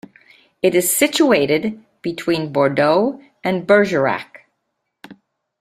It is situated between Bordeaux and Bergerac.